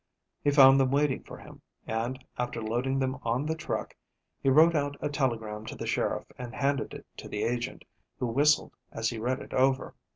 He found them waiting for him, and after loading them on the truck, he wrote out a telegram to the sheriff and handed it to the agent, who whistled as he read it over.